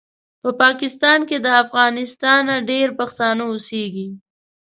په پاکستان کې له افغانستانه ډېر پښتانه اوسیږي